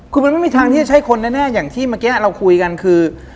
คือมันไม่มีทางที่จะใช้คนแน่อย่างที่เมื่อกี้เราคุยกันคือ